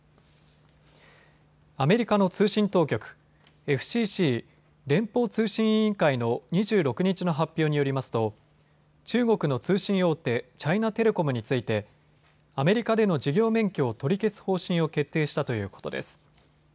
アメリカの通信当局、ＦＣＣ・連邦通信委員会の２６日の発表によりますと中国の通信大手、チャイナテレコムについてアメリカでの事業免許を取り消す方針を決定したということです。